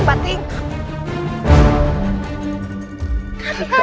jika itu orang tua